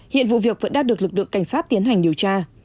hiện vụ việc vẫn đang được lực lượng cảnh sát tiến hành điều tra